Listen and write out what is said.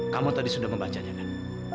kamu tadi sudah membaca jangan